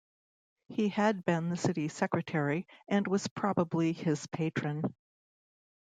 He had been the city secretary, and was probably his patron.